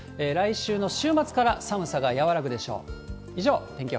来週の週末から寒さが和らぐでしょう。